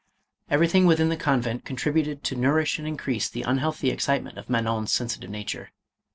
Everything within the convent contributed to nou rish and increase the unhealthy excitement of Manon's sensitive nature.